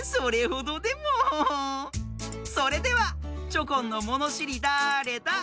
それではチョコンの「ものしりだれだ？」